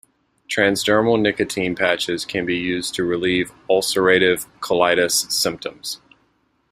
Transdermal nicotine patches can be used to relieve ulcerative colitis symptoms.